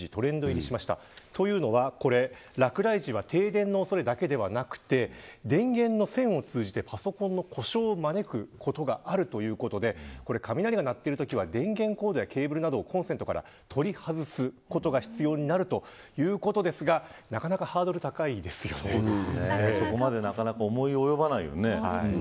というのは、落雷時は停電の恐れだけではなく電源の線を通じてパソコンの故障を招くことがあるということで雷が鳴っているときは電源コードやケーブルなどをコンセントから取り外す必要があるということですがなかなかハードルがなかなかそこまで思い及ばないよね。